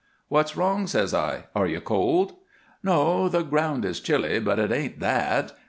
"'What's wrong?' says I. 'Are you cold?' "'No. The ground is chilly, but it ain't that.